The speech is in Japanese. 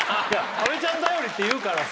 阿部ちゃん頼りって言うからさ